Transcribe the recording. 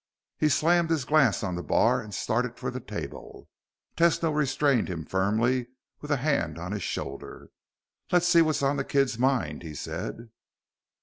He slammed his glass on the bar and started for the table. Tesno restrained him firmly with a hand on his shoulder. "Let's see what's on the kid's mind," he said.